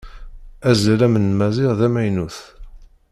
Azlalam n Maziɣ d amaynut.